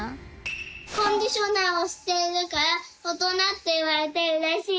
コンディショナーをしているからおとなっていわれてうれしい！